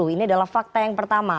ini adalah fakta yang pertama